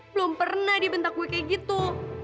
belum pernah di bentak gue kayak gitu